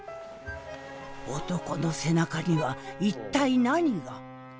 男の背中には一体何が？